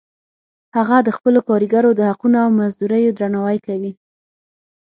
هغه د خپلو کاریګرو د حقونو او مزدوریو درناوی کوي